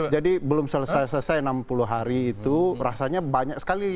jadi belum selesai selesai enam puluh hari itu rasanya banyak sekali